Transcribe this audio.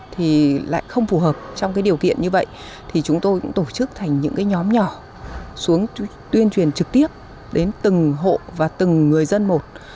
thì lại không phù hợp trong cái điều kiện như vậy thì chúng tôi cũng tổ chức thành những cái nhóm nhỏ xuống tuyên truyền trực tiếp đến từng hộ và từng người dân một